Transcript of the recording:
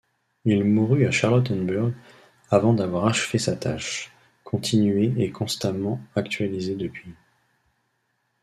Il mourut à Charlottenburg avant d'avoir achevé sa tâche, continuée et constamment actualisée depuis.